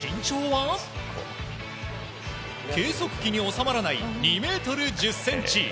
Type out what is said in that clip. その身長は計測器に収まらない２ｍ１０ｃｍ。